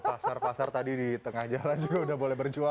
pasar pasar tadi di tengah jalan juga udah boleh berjual